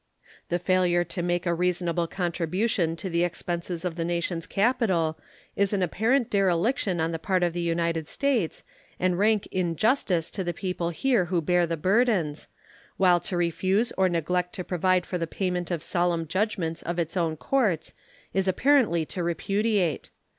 The failure to make a reasonable contribution to the expenses of the nation's capital is an apparent dereliction on the part of the United States and rank injustice to the people here who bear the burdens, while to refuse or neglect to provide for the payment of solemn judgments of its own courts is apparently to repudiate.